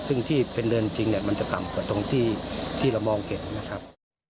ซึ่งที่เป็นเรินจริงมันจะกล่ำกว่าที่เรามองเก่งนะครับ